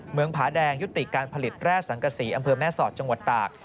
ผาแดงยุติการผลิตแร่สังกษีอำเภอแม่สอดจังหวัดตาก